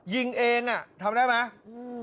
ยิงเองอ่ะทำได้ไหม